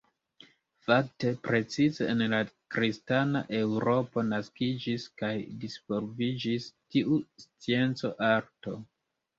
Fakte precize en la kristana eŭropo naskiĝis kaj disvolviĝis tiu scienco-arto.